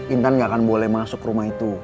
intan gak akan boleh masuk rumah itu